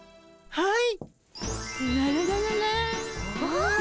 はい。